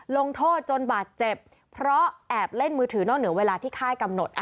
ลงโทษจนบาดเจ็บเพราะแอบเล่นมือถือนอกเหนือเวลาที่ค่ายกำหนด